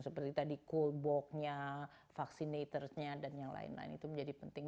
seperti tadi call box nya vaccinate ernya dan yang lain lain itu menjadi penting